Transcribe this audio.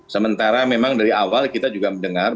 sementara memang dari awal kita juga mendengar